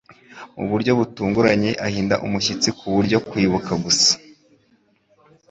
mu buryo butunguranye ahinda umushyitsi ku buryo kwibuka gusa